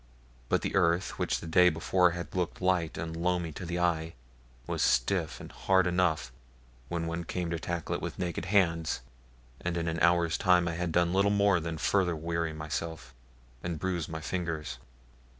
But the earth, which the day before had looked light and loamy to the eye, was stiff and hard enough when one came to tackle it with naked hands, and in an hour's time I had done little more than further weary myself and bruise my fingers.